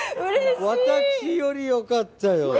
私よりよかったよ。